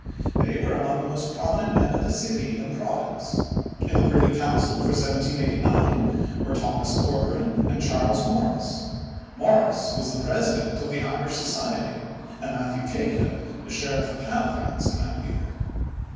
They were among the most prominent men of the city and province. In the Privy Council for 1789 were Thomas Corcoran and Charles Morris. Morris was president of the Irish Society and Matthew Cahill the sheriff of Halifax in that year.